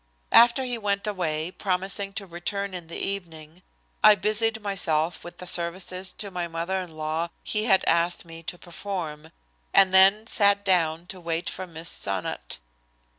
After he went away, promising to return in the evening, I busied myself with the services to my mother in law he had asked me to perform, and then sat down to wait for Miss Sonnot.